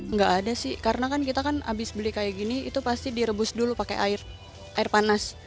nggak ada sih karena kan kita kan abis beli kayak gini itu pasti direbus dulu pakai air panas